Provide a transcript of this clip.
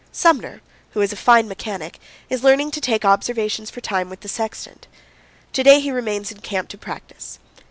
Sumner, who is a fine mechanic, is learning to take observations for time with the sextant. To day he remains in camp to practice.